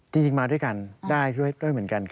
จริงมาด้วยกันได้ด้วยเหมือนกัน